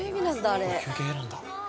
これ休憩なんだ。